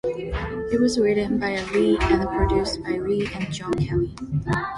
It was written by Rea and produced by Rea and Jon Kelly.